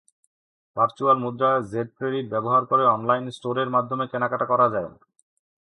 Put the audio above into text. Virtual মুদ্রা Z credit ব্যবহার করে অনলাইন স্টোরের মাধ্যমে কেনাকাটা করা যায়।